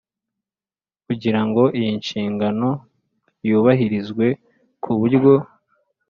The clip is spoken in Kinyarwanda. Kugira ngo iyi nshingano yubahirizwe ku buryo